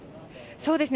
そうですね。